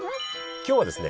今日はですね